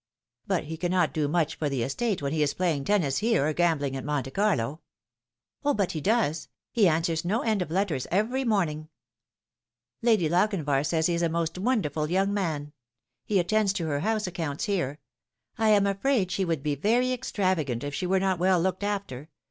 " But he cannot do much for the estate when he is playing tennis here or gambling at Monte Carlo." " O, babfe* does. He answers no end of letters every morning. A Wrecked Life. 255 .dy Lochinvar says he is a most wonderful young man. He attends to her house accounts here. I am afraid she would be very extravagant if she were not well looked after.